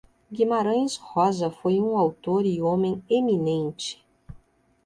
Guimarães Rosa foi um autor e homem eminente.